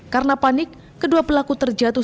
karena panik kedua pelaku terjatuh